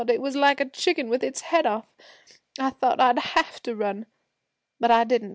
It was like a chicken with its head off! I thought I'd have to run. But I didn't.